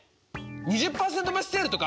２０％増しセールとか？